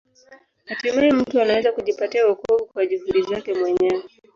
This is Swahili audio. Hatimaye mtu anaweza kujipatia wokovu kwa juhudi zake mwenyewe.